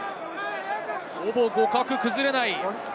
ほぼ互角、崩れない。